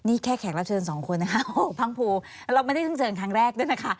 นี่แค่แขกรับเชิญสองคนนะคะโหพังพูเราไม่ได้เจอกันครั้งแรกด้วยนะคะ